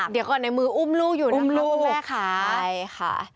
เดี๋ยวก่อนในมืออุ้มลูกอยู่นะครับคุณแม่ค่ะ